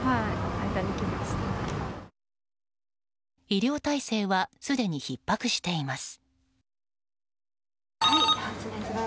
医療体制はすでにひっ迫しています。